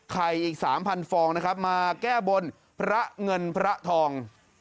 อีก๓๐๐ฟองนะครับมาแก้บนพระเงินพระทอง